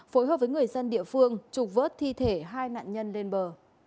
phối hợp với người dân địa phương trục vớt thi thể hai nạn nhân lên bờ